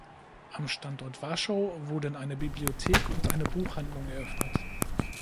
Am Standort Warschau wurden eine Bibliothek und eine Buchhandlung eröffnet.